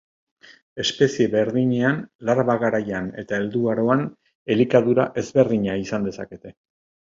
Espezie berdinean larba garaian eta helduaroan elikadura ezberdina izan dezakete.